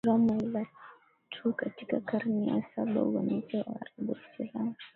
Kiroma ila tu katika karne ya saba uvamizi wa Waarabu Waislamu